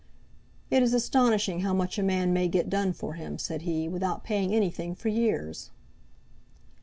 "It is astonishing how much a man may get done for him," said he, "without paying anything for years."